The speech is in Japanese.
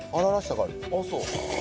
あっそう。